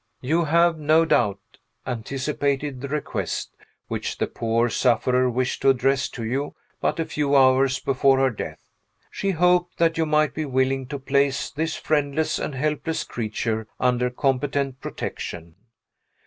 You have, no doubt, anticipated the request which the poor sufferer wished to address to you but a few hours before her death. She hoped that you might be willing to place this friendless and helpless creature under competent protection.